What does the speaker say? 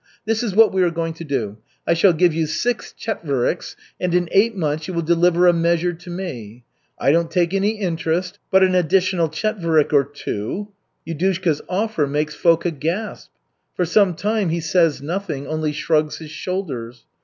This is what we are going to do: I shall give you six chetveriks, and in eight months you will deliver a measure to me. I don't take any interest, but an additional chetverik or two " Yudushka's offer makes Foka gasp. For some time he says nothing, only shrugs his shoulders.